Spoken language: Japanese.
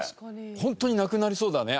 ホントになくなりそうだね